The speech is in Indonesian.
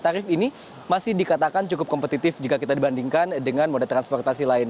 tarif ini masih dikatakan cukup kompetitif jika kita dibandingkan dengan moda transportasi lain